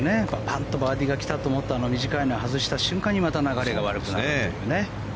パンとバーディーが来たと思ったらあの短いのを外した瞬間にまた流れが悪くなるというね。